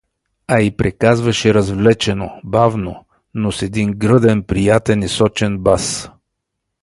А и приказваше развлечено, бавно, но с един гръден, приятен и сочен бас.